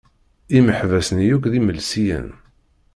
Imeḥbas-nni yakk d imelsiyen.